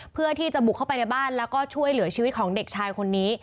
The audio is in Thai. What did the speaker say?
เพื่อที่จะบุกเข้าไปในบ้านแล้วก็ช่วยเหลือชีวิตของเด็กชายคนนี้